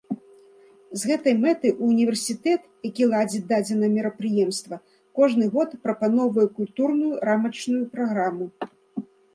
З гэтай мэтай універсітэт, які ладзіць дадзенае мерапрыемства, кожны год прапаноўвае культурную рамачную праграму.